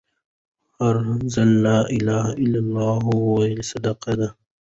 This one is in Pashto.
هر ځل لا إله إلا لله ويل صدقه ده